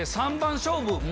３番勝負